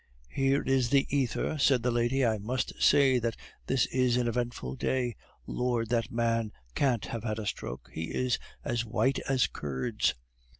"Here is the ether," said that lady. "I must say that this is an eventful day. Lord! that man can't have had a stroke; he is as white as curds."